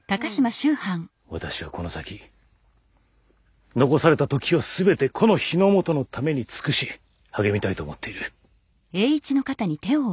私はこの先残された時を全てこの日の本のために尽くし励みたいと思っている。